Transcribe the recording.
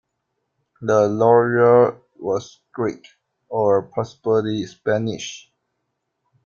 The lawyer was Greek, or possibly Spanish.